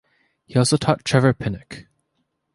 He also taught Trevor Pinnock.